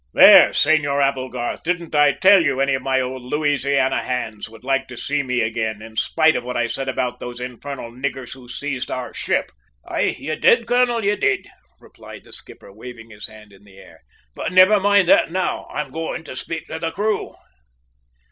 "There, Senor Applegarth, didn't I tell you any of my old Louisianian hands would like to see me again, in spite of what I said about those infernal niggers who seized our ship?" "Aye, you did, colonel, you did," replied the skipper, waving his hand in the air; "but never mind that now I'm going to speak to the crew."